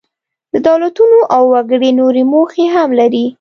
دولتونه او وګړي نورې موخې هم لري.